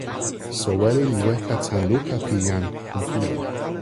soweli li weka tan luka pi jan Kuntuli.